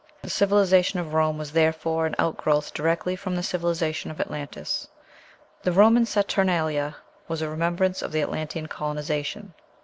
The civilization of Rome was therefore an outgrowth directly from the civilization of Atlantis. The Roman Saturnalia was a remembrance of the Atlantean colonization.